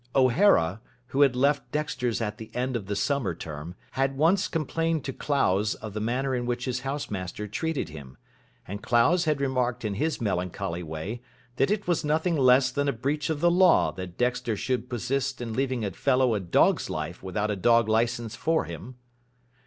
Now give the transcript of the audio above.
O'Hara, who had left Dexter's at the end of the summer term, had once complained to Clowes of the manner in which his house master treated him, and Clowes had remarked in his melancholy way that it was nothing less than a breach of the law that Dexter should persist in leading a fellow a dog's life without a dog licence for him.